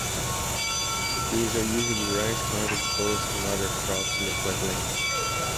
This are usually rice, corn, vegetables and other crops in the flat lands.